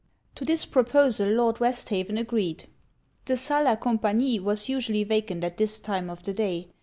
To this proposal Lord Westhaven agreed. The sal a compagnie was usually vacant at this time of the day.